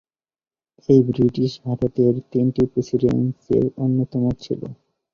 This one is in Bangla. এটি ব্রিটিশ ভারতের তিনটি প্রেসিডেন্সির অন্যতম ছিল।